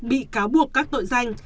bị cáo buộc các tội danh